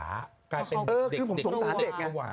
เพราะเขาได้เป็นเด็กภาวะ